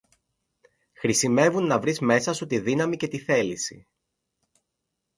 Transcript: Χρησιμεύουν να βρεις μέσα σου τη δύναμη και τη θέληση